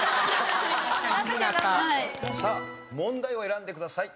さあ問題を選んでください。